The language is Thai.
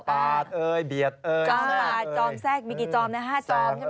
ปาดเอ่ยเบียดจอมปาดจอมแซ่งมีกี่จอมนั้น๕จอมใช่ไหม